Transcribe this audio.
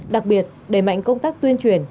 đặc biệt đẩy mạnh công tác tuyên truyền